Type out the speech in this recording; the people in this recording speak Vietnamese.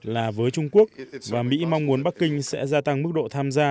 là với trung quốc và mỹ mong muốn bắc kinh sẽ gia tăng mức độ tham gia